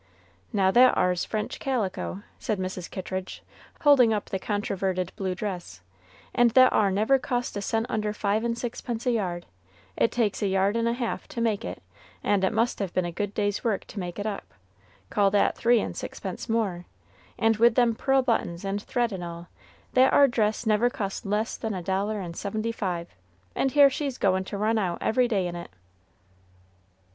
Now, that ar's French calico!" said Mrs. Kittridge, holding up the controverted blue dress, "and that ar never cost a cent under five and sixpence a yard; it takes a yard and a half to make it, and it must have been a good day's work to make it up; call that three and sixpence more, and with them pearl buttons and thread and all, that ar dress never cost less than a dollar and seventy five, and here she's goin' to run out every day in it!"